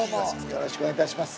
よろしくお願いします。